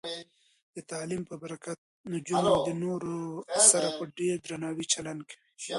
د تعلیم په برکت، نجونې د نورو سره په ډیر درناوي چلند کوي.